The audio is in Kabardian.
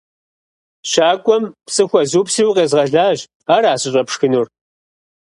- Щакӏуэм пцӏы хуэзупсри, укъезгъэлащ. Ара сыщӏэпшхынур?